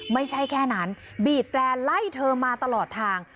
ไม่ใช่แค่นั้นบีบแตร่ไล่เธอมาตลอดทาง